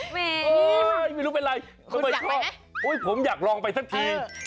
เฮ้ยไม่รู้เป็นอะไรไม่ชอบโอ้โฮผมอยากลองไปสักทีคุณอยากไปไหม